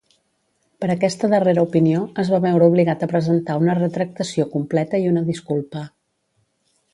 Per aquesta darrera opinió, es va veure obligat a presentar una retractació completa i una disculpa.